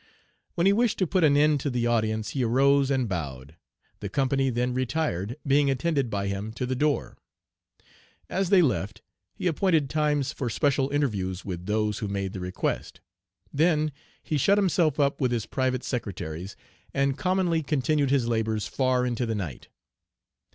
When he wished to put an end to the audience, he arose and bowed. The company then retired, being attended by him to the door. As they left, he appointed times for special interviews with those who made the request. Then he shut himself up with his private secretaries, and commonly continued his labors far into the night.